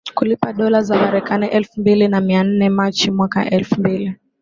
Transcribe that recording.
kulipa dola za Kimarekani elfu mbili na mia nne Machi mwaka elfu mbili